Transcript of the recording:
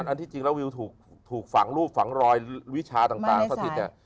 อันที่จริงแล้ววิวถูกฝังรูปฝังรอยวิชาต่างสถิตเนี่ย